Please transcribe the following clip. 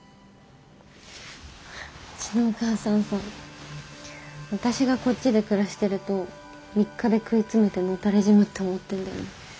うちのお母さんさ私がこっちで暮らしてると３日で食い詰めて野たれ死ぬって思ってんだよね。